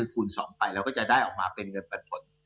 คูณ๒ไปเราก็จะได้ออกมาเป็นเงินปันผล